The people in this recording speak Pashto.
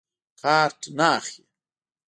کارټ نه اخلي.